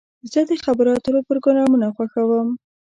زه د خبرو اترو پروګرامونه خوښوم.